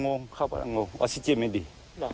งงเข้าไปมันงงอากาศเตี้ยวไม่ดี